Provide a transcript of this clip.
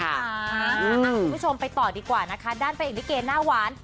คุณผู้ชมไปต่อดีกว่านะคะด้านพระเอกลิเกหน้าหวาน